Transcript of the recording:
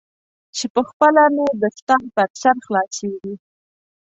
چې پخپله مې دستار پر سر خلاصیږي.